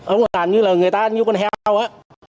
ông làm như là người ta như con heo ấy